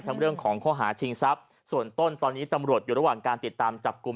เรื่องของข้อหาชิงทรัพย์ส่วนต้นตอนนี้ตำรวจอยู่ระหว่างการติดตามจับกลุ่ม